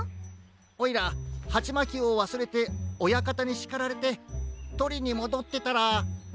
おいらハチマキをわすれておやかたにしかられてとりにもどってたら。